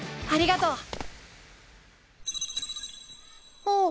あありがとう。